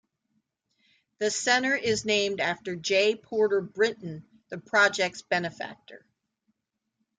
The center is named after J. Porter Brinton, the project's benefactor.